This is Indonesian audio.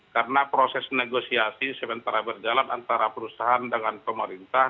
karena proses negosiasi sementara berjalan antara perusahaan dengan pemerintah